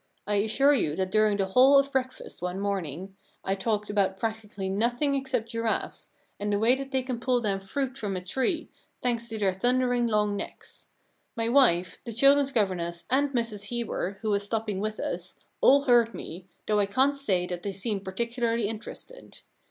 I assure you that during the whole of breakfast one morning I talked about practically nothing except giraffes and the way that they can pull down fruit from a tree, thanks to their thundering long necks. My wife, the chil dren's governess, and Mrs Hebor, who was stopping with us, all heard me, though I can't say that they seemed particularly inter ested.